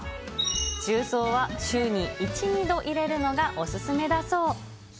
重曹は週に１、２度入れるのがお勧めだそう。